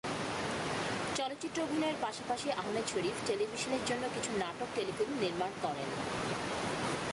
চলচ্চিত্রে অভিনয়ের পাশাপাশি আহমেদ শরীফ টেলিভিশনের জন্য কিছু নাটক-টেলিফিল্ম নির্মাণ করেন।